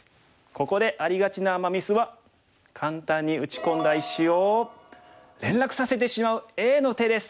ここでありがちなアマ・ミスは簡単に打ち込んだ石を連絡させてしまうＡの手です。